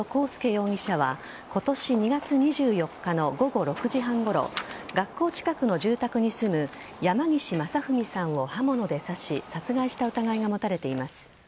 容疑者は今年２月２４日の午後６時半ごろ学校近くの住宅に住む山岸正文さんを刃物で刺し殺害した疑いが持たれています。